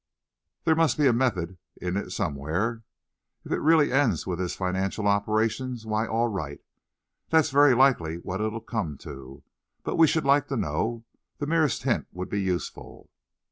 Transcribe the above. There must be a method in it somewhere. If it really ends with his financial operations why, all right. That's very likely what it'll come to, but we should like to know. The merest hint would be useful."